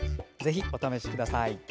ぜひお試しください。